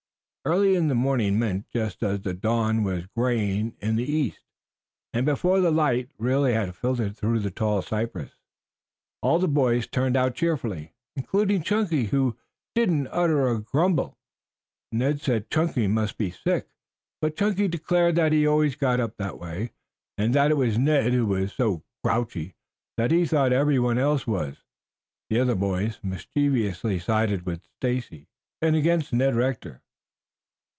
Early in the morning meant just as the dawn was graying in the east, and before the light really had filtered through the tall cypress. All the boys turned out cheerfully, including Chunky, who didn't utter a grumble. Ned said Chunky must be sick, but Chunky declared that he always got up that way, and that it was Ned who was so grouchy that he thought everyone else was. The other boys mischievously sided with Stacy and against Ned Rector.